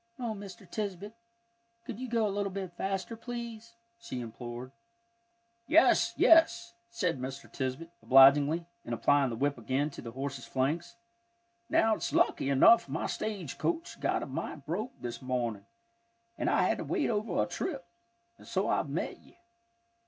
"Oh, Mr. Tisbett, could you go a little bit faster, please?" she implored. "Yes, yes," said Mr. Tisbett, obligingly, and applying the whip again to the horse's flanks. "Now it's lucky enough my stage coach got a mite broke this morning, an' I had to wait over a trip, and so I've met you.